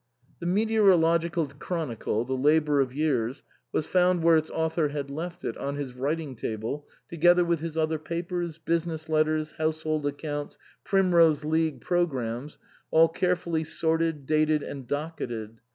The meteorological chronicle, the labour of years, was found where its author had left it, on his writing table, together with his other papers, business letters, household accounts, Primrose League programmes, all carefully sorted, dated, and docketted.